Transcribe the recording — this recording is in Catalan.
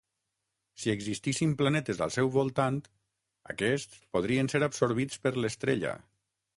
Si existissin planetes al seu al voltant, aquests podrien ser absorbits per l'estrella.